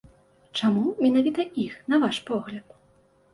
Чаму менавіта іх, на ваш погляд?